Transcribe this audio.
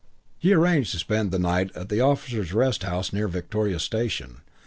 He arranged to spend the night at the Officers' Rest House near Victoria station.